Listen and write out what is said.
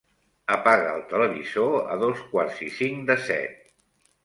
Apaga el televisor a dos quarts i cinc de set.